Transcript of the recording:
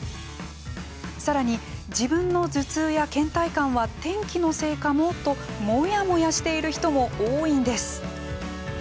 さらに、自分の頭痛やけん怠感は天気のせいかもともやもやしている人も多いんです。